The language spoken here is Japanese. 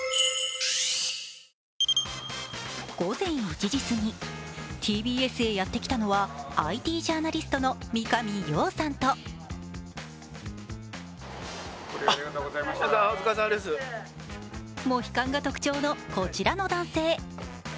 午前１時過ぎ、ＴＢＳへやってきたのはＩＴジャーナリストの三上洋さんとモヒカンが特徴のこちらの男性。